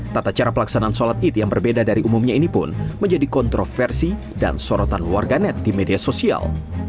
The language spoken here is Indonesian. tata cara pelaksanaan sholat id yang berbeda dari umumnya ini pun menjadi kontroversi dan sorotan warganet di media sosial